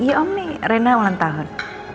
iya om nih rena ulang tahun